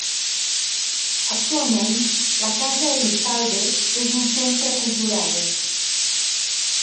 Actualment, la Casa Elizalde és un centre cultural.